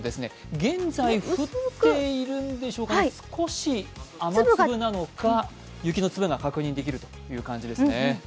現在降っているんでしょうかね、少し、雨粒なのか、雪の粒が確認できるという感じですね。